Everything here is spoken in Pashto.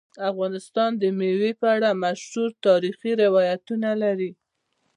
افغانستان د مېوې په اړه مشهور تاریخی روایتونه لري.